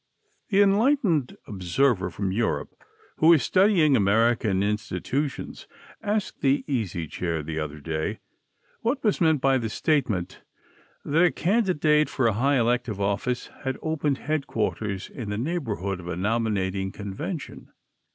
The Enlightened Observer from Europe who is studying American institutions asked the Easy Chair the other day what was meant by the statement that a candidate for a high elective office had opened headquarters in the neighborhood of a nominating convention.